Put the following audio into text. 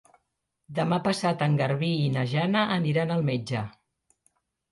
Demà passat en Garbí i na Jana aniran al metge.